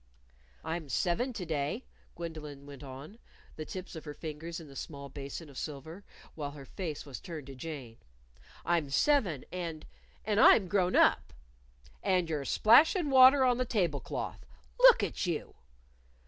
"I'm seven to day," Gwendolyn went on, the tips of her fingers in the small basin of silver while her face was turned to Jane. "I'm seven and and I'm grown up." "And you're splashin' water on the table cloth. Look at you!"